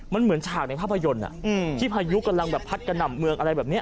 มันเหมือนฉากในภาพยนตร์ที่พายุกำลังแบบพัดกระหน่ำเมืองอะไรแบบนี้